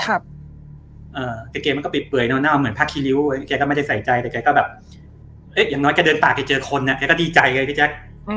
แกก็ไม่ใส่ใจแต่แกก็แบบอย่างน้อยแกเดินปากแกเจอคนอะแกก็ดีใจเลยพี่แจ๊ก